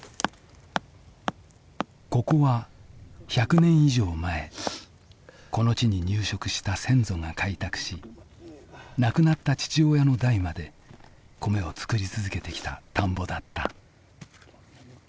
ここは１００年以上前この地に入植した先祖が開拓し亡くなった父親の代まで米を作り続けてきた田んぼだった。